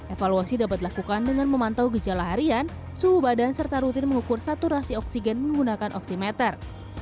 evaluasi dapat dilakukan dengan memantau gejala harian suhu badan serta rutin mengukur saturasi oksigen menggunakan oksimeter